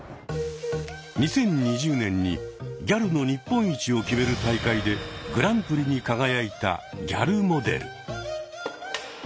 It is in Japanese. ２０２０年にギャルの日本一を決める大会でグランプリに輝いたギャルモデル。